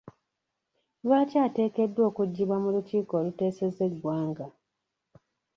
Lwaki ateekeddwa okuggibwa mu lukiiko oluteeseza eggwanga?